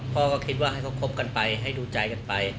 พ่อก็คิดว่าให้เขาคบกันไปให้ดูใจกันไป